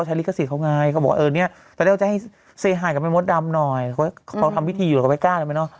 วนที่เค้าทำพิธีอยู่เค้าไม่ได้ไหม